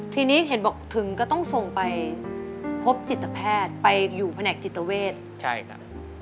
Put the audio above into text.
ทีนี้เห็นบอกถึงก็ต้องส่งไปพบจิตแพทย์ไปอยู่แผนกจิตเวทใช่ค่ะ